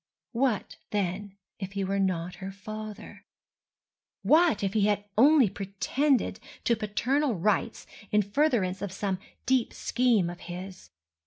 What, then, if he were not her father? What if he had only pretended to paternal rights in furtherance of some deep scheme of his?